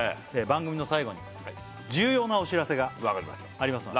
番組の最後に重要なお知らせがありますので分かりました